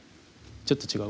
ちょっと違う？